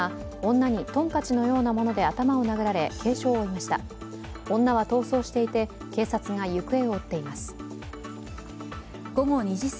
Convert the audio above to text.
女は逃走していて、警察が行方を追っています。